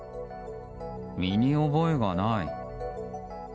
身に覚えがない。